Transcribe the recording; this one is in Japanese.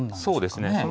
そうですね